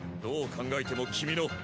どう考えても君の。